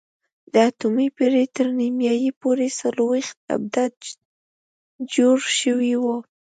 د اتمې پېړۍ تر نیمايي پورې څلوېښت ابدات جوړ شوي وو.